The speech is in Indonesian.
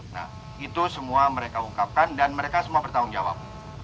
nah itu semua mereka ungkapkan dan mereka semua bertanggung jawab